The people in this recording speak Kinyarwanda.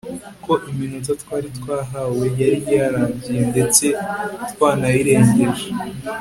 kuko iminota twari twahawe yari yarangiye ndetse twanayirengeje